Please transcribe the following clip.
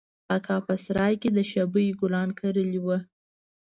اکا په سراى کښې د شبۍ ګلان کرلي وو.